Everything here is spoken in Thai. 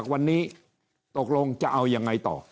วันนี้ตกลงจะเอายังไงต่อ